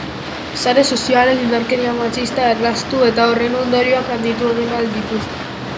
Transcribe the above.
Sare sozialek indarkeria matxista erraztu eta horren ondorioak handitu egin ahal dituzte.